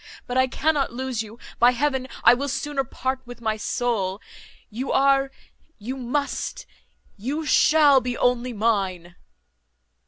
But I cannot lose you. By heaven, I will sooner part with my soul! You are, you must, you shall be only mine."